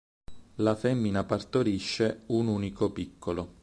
La femmina partorisce un unico piccolo.